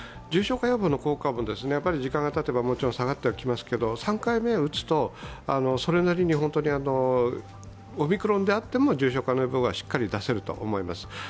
重症化予防の効果も時間がたてばもちろん下がってきますが、３回目を打つと、それなりにオミクロンであっても、重症化に有効な部分はしっかり出せると思います。